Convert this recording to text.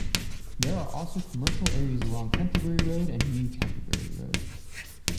There are also commercial areas along Canterbury Road and New Canterbury Road.